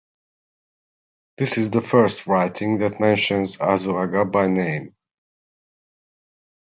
This is the first writing that mentions Azuaga by name.